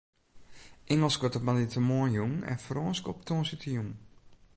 Ingelsk wurdt op moandeitemoarn jûn en Frânsk op tongersdeitejûn.